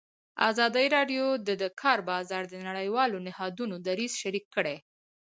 ازادي راډیو د د کار بازار د نړیوالو نهادونو دریځ شریک کړی.